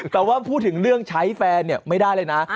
แต่ว่าพูดถึงเรื่องใช้แฟนไม่ได้เลยนะ